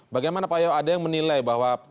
bagaimana pak yo ada yang menilai bahwa